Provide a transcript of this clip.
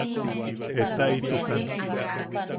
Etaaʼitukan!